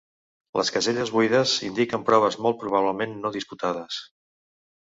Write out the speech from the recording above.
Les caselles buides indiquen proves molt probablement no disputades.